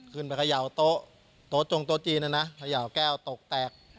ขึ้นไปเขย่าโต๊ะโต๊ะจงโต๊ะจีนนะขย่าวแก้วตกแตก